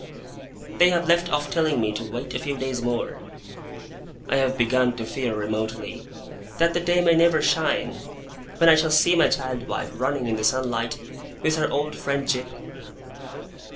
They have left off telling me to 'wait a few days more'. I have begun to fear, remotely, that the day may never shine, when I shall see my child wife running in the sunlight with her old friend Jip.